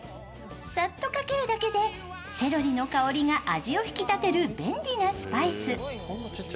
さっとかけるだけでセロリの香りが味を引き立てる便利なスパイス。